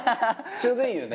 ちょうどいいよね。